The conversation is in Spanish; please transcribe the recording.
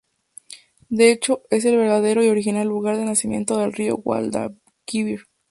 De hecho es el verdadero y original lugar de nacimiento del Río Guadalquivir.